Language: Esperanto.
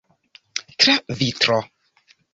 Tra vitro.